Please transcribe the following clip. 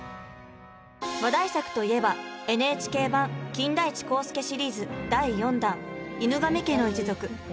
話題作といえばＮＨＫ版「金田一耕助シリーズ」第４弾「犬神家の一族」。